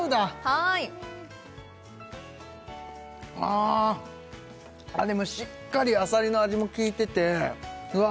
はいあでもしっかりあさりの味も効いててうわ